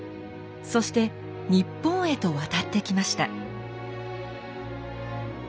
そして日本へと渡ってきました。